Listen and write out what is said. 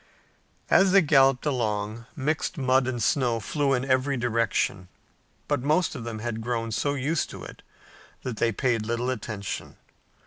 As they galloped along, mixed mud and snow flew in every direction, but most of them had grown so used to it that they paid little attention.